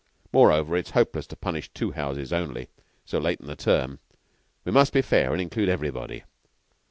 Moreover, it's hopeless to punish two houses only, so late in the term. We must be fair and include everybody.